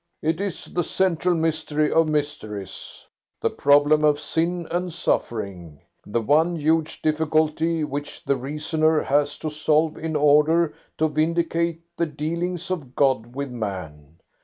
"It is the central mystery of mysteries the problem of sin and suffering, the one huge difficulty which the reasoner has to solve in order to vindicate the dealings of God with man.